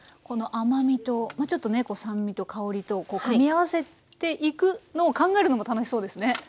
この甘みとちょっとね酸味と香りと組み合わせていくのを考えるのも楽しそうですね。